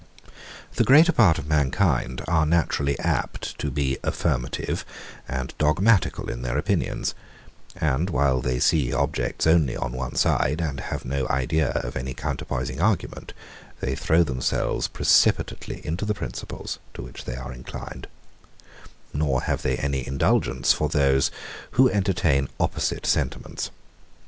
The greater part of mankind are naturally apt to be affirmative and dogmatical in their opinions; and while they see objects only on one side, and have no idea of any counterpoising argument, they throw themselves precipitately into the principles, to which they are inclined; nor have they any indulgence for those who entertain opposite sentiments.